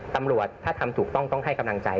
ตำรวจถ้าทำถูกต้องต้องให้กำลังใจ